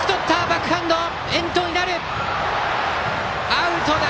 アウトだ！